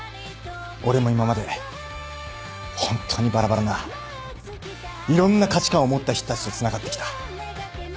俺も今まで本当にバラバラないろんな価値観を持った人たちとつながってきた。